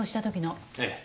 ええ。